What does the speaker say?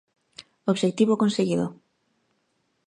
Obxectivo conseguido.